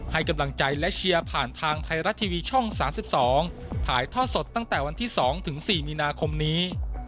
ให้กำลังใจและเชียร์ผ่านทางไทยรัฐทีวีช่อง๓๒ถ่ายทอดสดตั้งแต่วันที่๒ถึง๔มีนาคมนี้